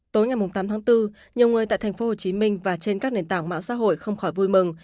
tối ngày tám tháng bốn nhiều người tại tp hcm và trên các nền tảng mạng xã hội không khỏi vui mừng